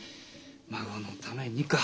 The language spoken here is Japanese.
「孫のために」か。